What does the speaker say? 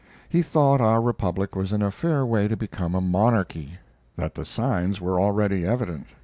He thought our republic was in a fair way to become a monarchy that the signs were already evident.